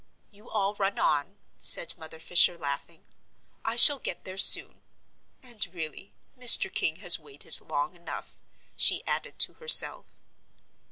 "You all run on," said Mother Fisher, laughing, "I shall get there soon; and really, Mr. King has waited long enough," she added to herself.